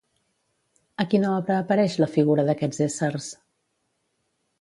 A quina obra apareix la figura d'aquests éssers?